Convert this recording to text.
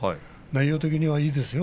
内容的にはいいですよ